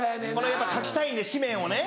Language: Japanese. やっぱ書きたいんで紙面をね。